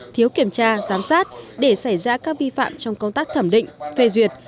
thiếu kiểm tra giám sát để xảy ra các vi phạm trong công tác thẩm định phê duyệt